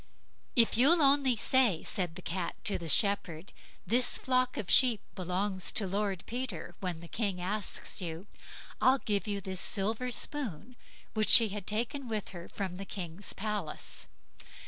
"If you'll only say", said the Cat to the Shepherd, "this flock of sheep belongs to Lord Peter, when the King asks you, I'll give you this silver spoon", which she had taken with her from the King's palace.